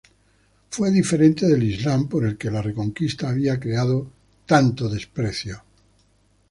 Fue diferente del Islam por el que la Reconquista había creado tanto desprecio.